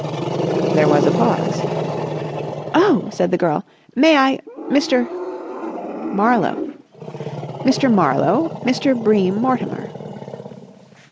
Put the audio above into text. '" There was a pause. "Oh!" said the girl. "May I—Mr.——?" "Marlowe." "Mr. Marlowe. Mr. Bream Mortimer."